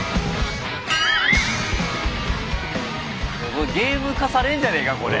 これゲーム化されんじゃねえかこれ。